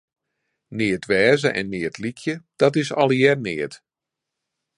Neat wêze en neat lykje, dat is allegearre neat.